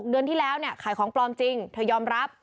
เดือนที่แล้วเนี่ยขายของปลอมจริงเธอยอมรับ